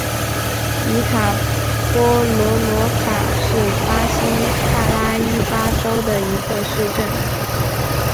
伊塔波罗罗卡是巴西帕拉伊巴州的一个市镇。